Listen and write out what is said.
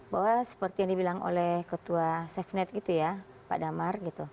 bahwa seperti yang dibilang oleh ketua safenet pak damar